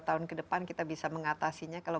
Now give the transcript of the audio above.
tahun ke depan kita bisa mengatasinya kalau